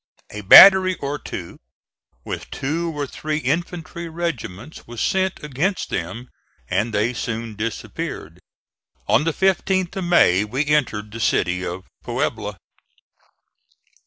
A battery or two, with two or three infantry regiments, was sent against them and they soon disappeared. On the 15th of May we entered the city of Puebla.